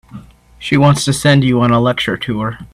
She wants to send you on a lecture tour.